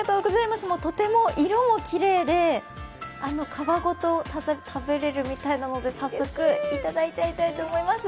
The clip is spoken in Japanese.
とても、色もきれいて皮ごと食べられるみたいなので早速いただいちゃいたいと思います。